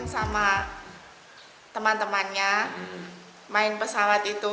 sama teman temannya main pesawat itu